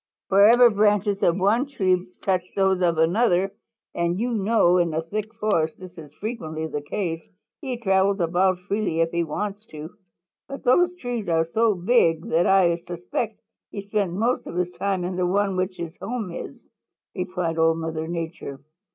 "Wherever branches of one tree touch those of another, and you know in a thick forest this is frequently the case, he travels about freely if he wants to. But those trees are so big that I suspect he spends most of his time in the one in which his home is," replied Old Mother Nature.